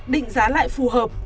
định giá lại phù hợp